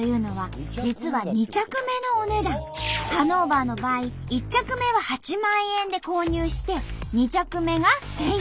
ハノーバーの場合１着目は８万円で購入して２着目が１，０００円。